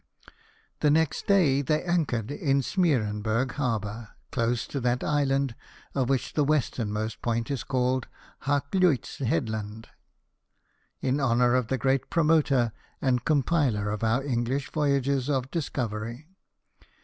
The next day they anchored in Smeerenberg Harbour, close to that island of which the westernmost point is called Hak luyt's Headland, in honour of the great promoter and compiler of our English voyages of discovery.